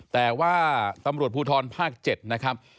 แต่ว่าตำรวจภูทรภาค๗นะครับ